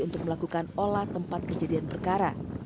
untuk melakukan olah tempat kejadian perkara